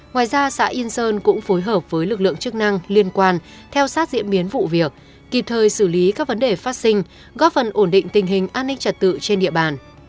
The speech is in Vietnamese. ngoài ra xã yên sơn cũng phối hợp với lực lượng chức năng liên quan theo sát diễn biến vụ việc kịp thời xử lý các vấn đề phát sinh góp phần ổn định tình hình an ninh trật tự trên địa bàn